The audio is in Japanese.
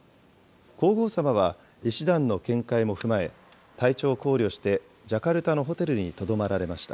皇后さまは医師団の見解も踏まえ、体調を考慮して、ジャカルタのホテルにとどまられました。